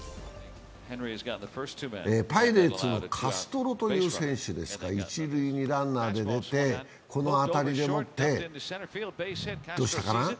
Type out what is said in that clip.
パイレーツのカストロという選手ですが、一塁にランナーで出て、この辺りでもってどうしたかな？